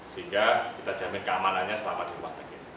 sehingga kita jamin keamanannya selama di rumah sakit